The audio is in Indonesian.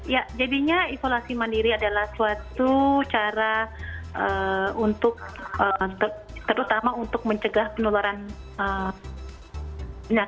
ya jadinya isolasi mandiri adalah suatu cara untuk terutama untuk mencegah penularan